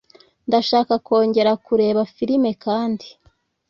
Ndashaka kongera kureba firime kandi.